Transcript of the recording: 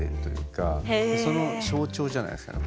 その象徴じゃないですかね